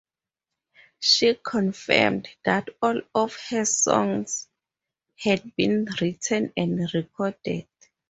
She confirmed that all of her songs had been written and recorded.